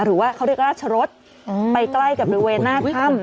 หรือว่าเขาเรียกราชรสไปใกล้กับบริเวณหน้าถ้ำ